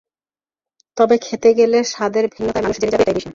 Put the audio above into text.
তবে খেতে গেলে স্বাদের ভিন্নতায় মানুষ জেনে যাবে, এটা ইলিশ নয়।